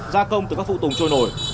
gia công từ các phụ tùng trôi nổi